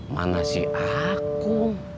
mana sih aku